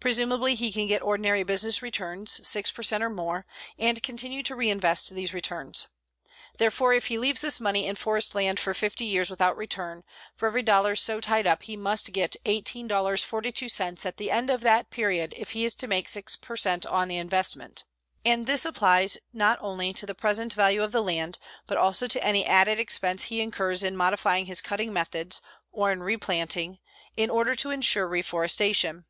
Presumably he can get ordinary business returns, 6 per cent or more, and continue to reinvest these returns. Therefore if he leaves this money in forest land for 50 years without return, for every dollar so tied up he must get $18.42 at the end of that period if he is to make 6 per cent on the investment. And this applies not only to the present value of the land, but also to any added expense he incurs in modifying his cutting methods, or in replanting, in order to insure reforestation.